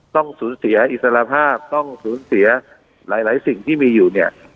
ต้องสูญเสียอิสระภาพต้องสูญเสียหลายสิ่งที่มีอยู่เนี่ย